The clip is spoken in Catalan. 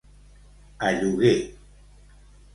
A lloguer.